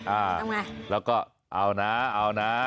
อ่าแล้วก็เอานะเอานะ